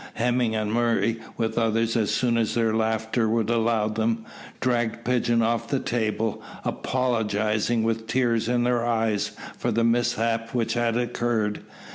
Hemming and Murray, with others, as soon as their laughter would allow them, dragged Pigeon off the table, apologising with tears in their eyes for the mishap which had occurred.